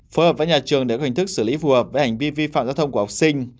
phối hợp với nhà trường để có hình thức xử lý phù hợp với hành vi vi phạm giao thông của học sinh